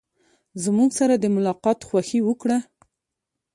زموږ سره د ملاقات خوښي وکړه.